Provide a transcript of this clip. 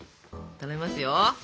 頼みますよ。